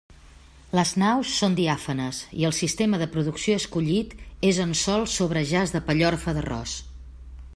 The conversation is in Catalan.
Les naus són diàfanes i el sistema de producció escollit és en sòl sobre jaç de pellorfa d'arròs.